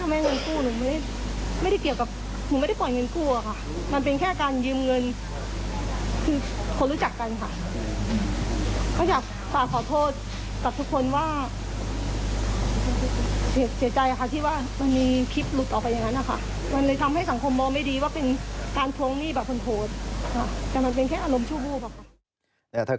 จำสังคมมองไม่ดีว่าเป็นการทวงหนี้แบบข้นโทส